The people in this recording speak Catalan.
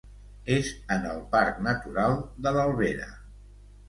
És en el parc natural de l'Albera.